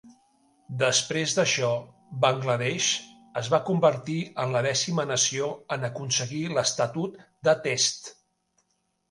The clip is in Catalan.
Després d'això, Bangladesh es va convertir en la dècima nació en aconseguir l'estatut de Test.